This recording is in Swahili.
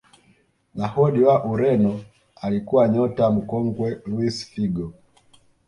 nahod wa ureno alikuwa nyota mkongwe luis Figo